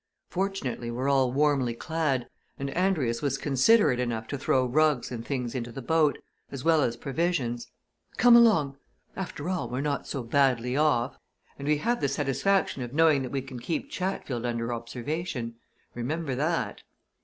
Fortunately we're all warmly clad, and Andrius was considerate enough to throw rugs and things into the boat, as well as provisions. Come along! after all, we're not so badly off. And we have the satisfaction of knowing that we can keep Chatfield under observation. Remember that!"